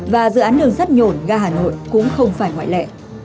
và dự án đường sắt nhổn ga hà nội cũng không phải ngoại lệ